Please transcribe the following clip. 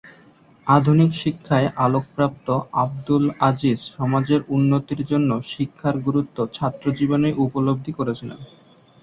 আধুনিক শিক্ষায় আলোকপ্রাপ্ত আবদুল আজীজ সমাজের উন্নতির জন্য শিক্ষার গুরুত্ব ছাত্রজীবনেই উপলব্ধি করেছিলেন।